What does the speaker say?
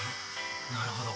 なるほど。